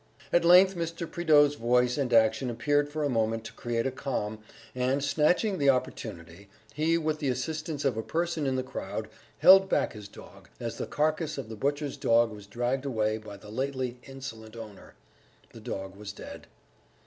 At length Mr. Prideaux's voice and action appeared for a moment to create a calm, and, snatching the opportunity, he, with the assistance of a person in the crowd, held back his dog, as the carcass of the butcher's dog was dragged away by the lately insolent owner.... The dog was dead!